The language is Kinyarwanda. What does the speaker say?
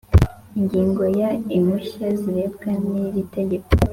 Ingingo ya Impushya zirebwa n iri teka